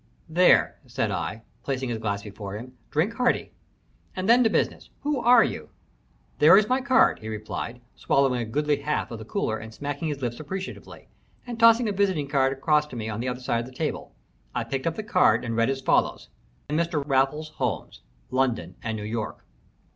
"There," said I, placing his glass before him. "Drink hearty, and then to business. Who are you?" "There is my card," he replied, swallowing a goodly half of the cooler and smacking his lips appreciatively, and tossing a visiting card across to me on the other side of the table. I picked up the card and read as follows: "Mr. Raffles Holmes, London and New York."